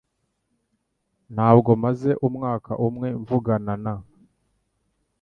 Ntabwo maze umwaka umwe mvugana na